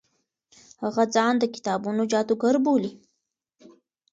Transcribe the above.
هغه ځان د کتابونو جادوګر بولي.